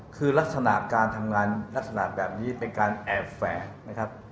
คือลักษณะการทำงานลักษณะแบบนี้เป็นการแอบแฝงนะครับ